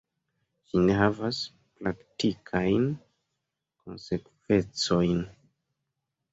Ĝi ne havas praktikajn konsekvencojn.